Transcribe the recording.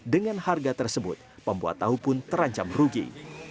dengan harga tersebut pembuat tahu pun terancam rugi